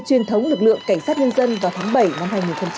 truyền thống lực lượng cảnh sát nhân dân vào tháng bảy năm hai nghìn hai mươi hai